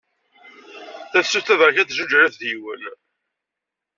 Tafsut taberkan n zuǧ alaf d yiwen.